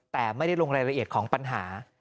แต่ไม่ได้ลงรายละเอียดของปัญหา